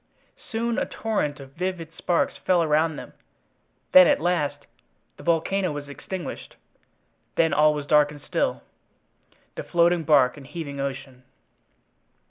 Soon a torrent of vivid sparks fell around them—then, at last, the volcano was extinguished—then all was dark and still—the floating bark and heaving ocean.